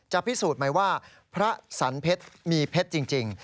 จะพิสูจน์ไหมว่าพระสันเผ็ดมีเผ็ดจริง